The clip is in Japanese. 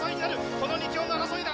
この二強の争いだ。